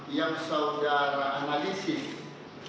yang saudara analisis